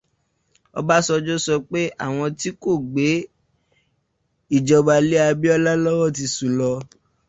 Ọbásanjọ́ sọ pé àwọn tí kò gbé ìjọba lè Abíọ́lá lọ́wọ́ ti sùn lọ